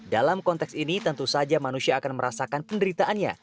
dalam konteks ini tentu saja manusia akan merasakan penderitaannya